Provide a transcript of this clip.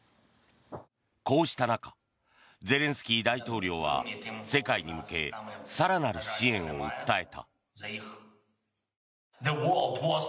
こうした中ゼレンスキー大統領は世界に向け更なる支援を訴えた。